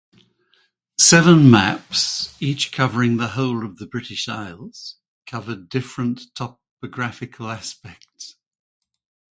Seven maps, each covering the whole of the British Isles, covered different topographical aspects.